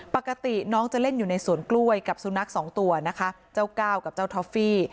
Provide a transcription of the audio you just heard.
ปกติน้องจะเล่นอยู่ในสวนกล้วยกับสุนัขสองตัวนะคะเจ้าก้าวกับเจ้าท็อฟฟี่